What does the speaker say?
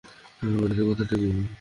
আর দ্বিতীয় কথাটি কি?